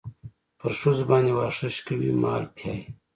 پر ښځو باندې واښه شکوي مال پيايي.